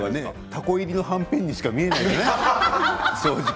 たこ入りのはんぺんにしか見えない、正直。